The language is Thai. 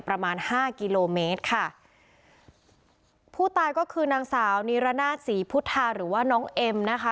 ประมาณห้ากิโลเมตรค่ะผู้ตายก็คือนางสาวนิรนาศศรีพุทธาหรือว่าน้องเอ็มนะคะ